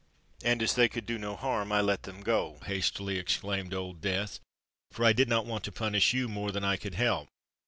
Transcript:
"And as they could do no harm, I let them go," hastily exclaimed Old Death; "for I did not want to punish you more than I could help.